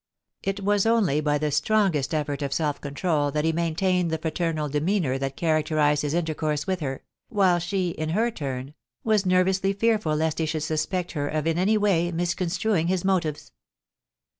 It was only by the strongest elTort of self control that he maintained the fraternal demeanour that characterised his intercourse with her, while she, in her turn, was nervously fearful lest he should suspect her of in any way miscon struing his motives.